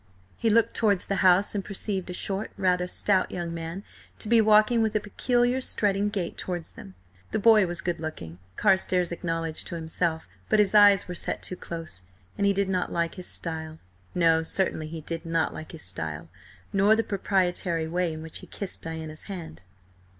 He looked towards the house, and perceived a short, rather stout, young man to be walking with a peculiar strutting gait towards them. The boy was good looking, Carstares acknowledged to himself, but his eyes were set too close. And he did not like his style. No, certainly he did not like his style, nor the proprietary way in which he kissed Diana's hand.